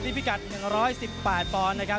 ที่พิกัด๑๑๘บอลนะครับ